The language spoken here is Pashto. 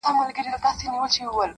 د خپل عقل په کمال وو نازېدلی -